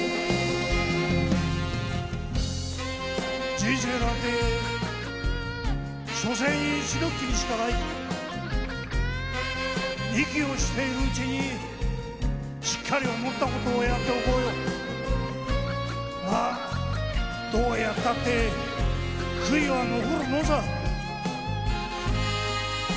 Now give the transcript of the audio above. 人生なんてしょせん一度きりしかない息をしている内にしっかり思ったことをやっておこうよどうやったってくいは残るもんさ。